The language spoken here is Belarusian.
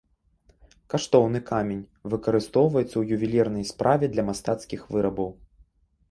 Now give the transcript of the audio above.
Каштоўны камень, выкарыстоўваецца ў ювелірнай справе, для мастацкіх вырабаў.